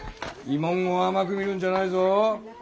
慰問を甘く見るんじゃないぞ。